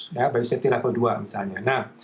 biasanya tidak kedua misalnya